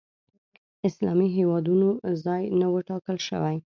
اسلامي هېوادونو ځای نه و ټاکل شوی